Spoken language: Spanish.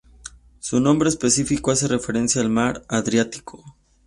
Su nombre específico hace referencia al mar Adriático.